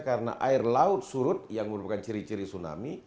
karena air laut surut yang merupakan ciri ciri tsunami